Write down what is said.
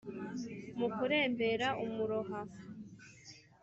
. Mu kurembera umuroha